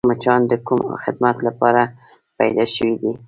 مچان د کوم خدمت دپاره پیدا شوي دي؟